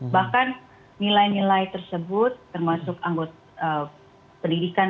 bahkan nilai nilai tersebut termasuk anggota pendidikan